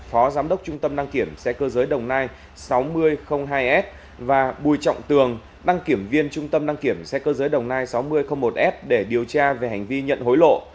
phó giám đốc trung tâm đăng kiểm xe cơ giới đồng nai sáu nghìn hai s và bùi trọng tường đăng kiểm viên trung tâm đăng kiểm xe cơ giới đồng nai sáu nghìn một s để điều tra về hành vi nhận hối lộ